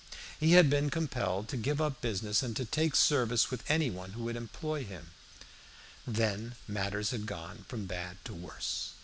He had been compelled to give up business, and to take service with anyone who would employ him. Then matters had gone from bad to worse.